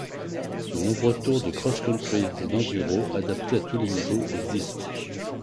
De nombreux tours de cross-country et d'enduro, adaptés à tous les niveaux, existent.